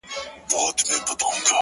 زما په ژوند کي د وختونو د بلا ياري ده ـ